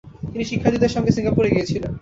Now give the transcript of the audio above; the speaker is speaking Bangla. তিনি শিক্ষার্থীদের সঙ্গে সিঙ্গাপুরে গিয়েছিলেন।